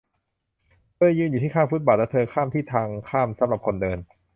เธอยืนอยู่ที่ข้างฟุตบาทและเธอข้ามที่ทางข้ามสำหรับคนเดิน